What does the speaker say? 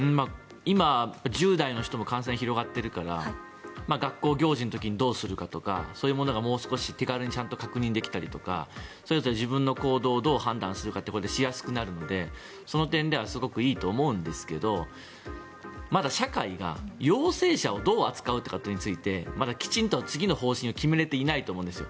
今、１０代の人も感染が広がってるから学校行事の時にどうするかとかそういうものがもう少し手軽にちゃんと確認できたりとかそれぞれ自分の行動をどう判断するかってしやすくなるのでその点ではすごくいいと思うんですけどまだ社会が陽性者をどう扱うかってことについて次の方針をきちんと決めれていないと思うんです。